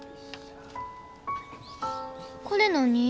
これ何？